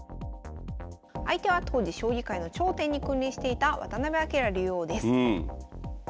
相手は当時将棋界の頂点に君臨していた渡辺明竜王です。